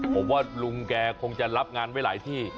ผมว่าลุงแกคงจะรับงานไว้หลายที่